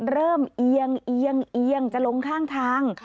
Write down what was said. เอียงเอียงเอียงจะลงข้างทาง